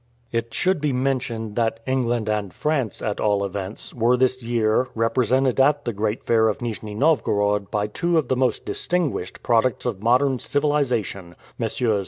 It should be mentioned that England and France, at all events, were this year represented at the great fair of Nijni Novgorod by two of the most distinguished products of modern civilization, Messrs.